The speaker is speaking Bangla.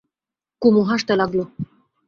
কুমু হাসতে লাগল।